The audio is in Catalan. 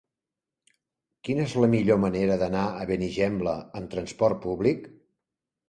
Quina és la millor manera d'anar a Benigembla amb transport públic?